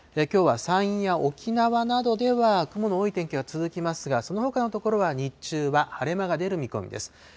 きょうは山陰や沖縄などでは雲の多い天気が続きますが、そのほかの所は日中は晴れ間が出る見込みです。